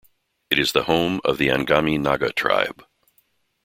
It is the home of the Angami Naga tribe.